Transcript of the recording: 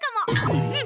えっ？